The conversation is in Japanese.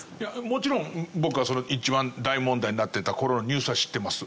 もちろん僕は一番大問題になってた頃のニュースは知ってます。